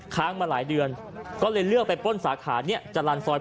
ค้างมาหลายเดือนก็เลยเลือกไปป้นสาขาเนี่ยจรรย์ซอย